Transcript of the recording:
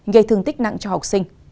gây thương tích nặng cho học sinh